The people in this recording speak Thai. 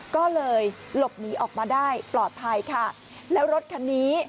ก็เลยหลบหนีออกมาได้ปลอดภัยค่ะแล้วรถคันนี้